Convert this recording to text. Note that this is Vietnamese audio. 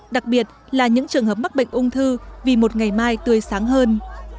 đặc biệt là những trường hợp mắc bệnh ung thư vì một ngày mai tươi sáng hơn